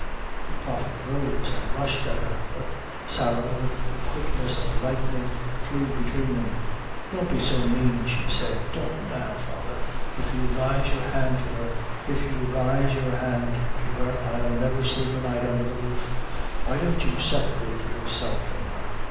The Prophet rose and rushed at her; but Sarah, with the quickness of lightning, flew between them. "Don't be so mane," she said "don't now, father, if you rise your hand to her I'll never sleep a night undher the roof. Why don't you separate yourself from her?